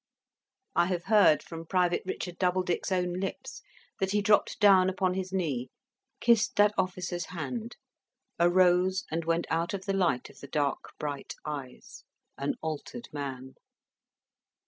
I have heard from Private Richard Doubledick's own lips, that he dropped down upon his knee, kissed that officer's hand, arose, and went out of the light of the dark, bright eyes, an altered man.